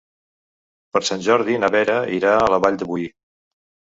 Per Sant Jordi na Vera irà a la Vall de Boí.